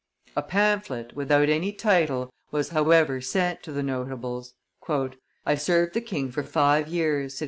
A pamphlet, without any title, was however sent to the notables. "I served the king for five years," said M.